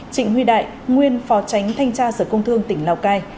trịnh huy đại nguyên phó tránh thanh tra sở công thương tỉnh lào cai